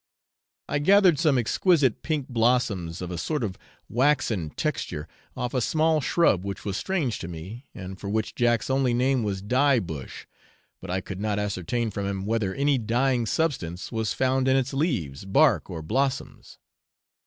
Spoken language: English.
I gathered some exquisite pink blossoms, of a sort of waxen texture, off a small shrub which was strange to me, and for which Jack's only name was dye bush; but I could not ascertain from him whether any dyeing substance was found in its leaves, bark, or blossoms.